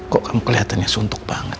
kok kamu kelihatannya suntuk banget